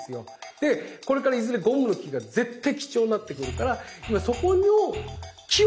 でこれからいずれゴムの木が絶対貴重になってくるから今そこの木を植えてる投資をしてるんだと。